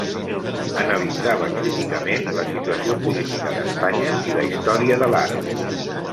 Analitzava críticament la situació política d'Espanya i la història de l'art.